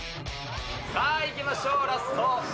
さあ、いきましょう、ラスト。